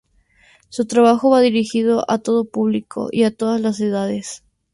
Su trabajo va dirigido a todo público y a todas las edades.